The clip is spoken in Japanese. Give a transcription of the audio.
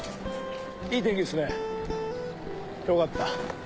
いい天気ですねよかった。